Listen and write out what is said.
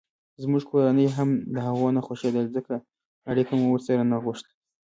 زموږ کورنۍ هم دهغو نه خوښېدله ځکه اړیکه مو ورسره نه غوښته.